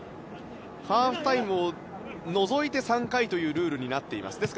ハーフタイムを除いて３回というルールになっています。